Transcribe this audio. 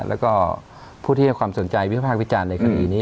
แล้วก็ผู้ที่ให้ความสนใจวิภาควิจารณ์ในคดีนี้